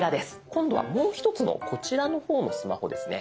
今度はもう１つのこちらの方のスマホですね。